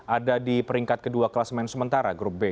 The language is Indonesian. ada di peringkat kedua kelas main sementara grup b